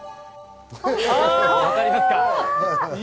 わかりますか？